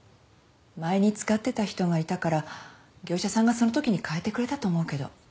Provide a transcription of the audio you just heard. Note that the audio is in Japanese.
前に使ってた人がいたから業者さんがそのときに替えてくれたと思うけど？